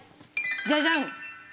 じゃじゃん！